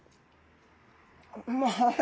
うまい。